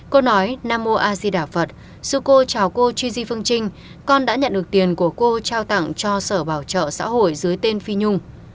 cô nói nam ô a di đả phật sư cô chào cô gigi phương trinh con đã nhận được tiền của cô trao tặng cho sở bảo trợ xã hội dưới tên phi nhung